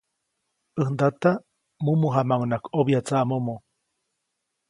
Äj ndata, mumu jamaʼuŋnaʼajk ʼobya tsaʼmomo.